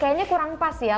kayaknya kurang pas ya